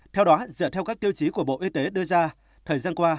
theo đó dựa theo các tiêu chí của bộ y tế đưa ra thời gian qua